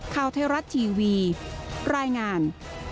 ข้าวเทศรัตน์ทีวีรายงาน